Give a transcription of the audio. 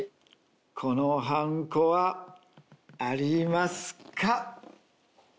このはんこはありますか？